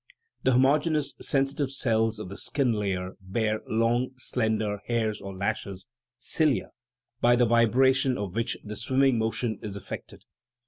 The homoge neous sensitive cells of the skin layer bear long, slender hairs or lashes (cilia), by the vibration of which the THE RIDDLE OF THE UNIVERSE swimming motion is effected.